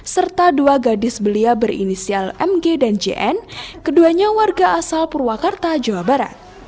serta dua gadis belia berinisial mg dan jn keduanya warga asal purwakarta jawa barat